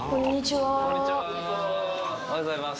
おはようございます。